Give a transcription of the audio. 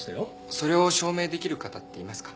それを証明できる方っていますか？